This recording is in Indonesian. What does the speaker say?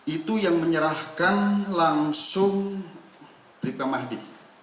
itu yang menyerahkan langsung prima mahdi